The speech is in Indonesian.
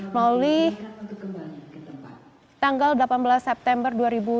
melalui tanggal delapan belas september dua ribu dua puluh